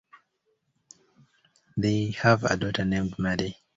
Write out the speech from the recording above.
They have a daughter named Maddie.